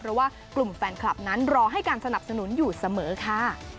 เพราะว่ากลุ่มแฟนคลับนั้นรอให้การสนับสนุนอยู่เสมอค่ะ